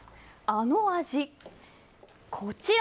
あの味。